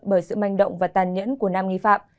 bởi sự manh động và tàn nhẫn của nam nghi phạm